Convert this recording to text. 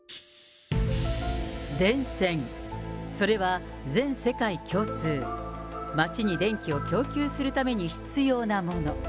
電線、それは全世界共通、街に電気を供給するために必要なもの。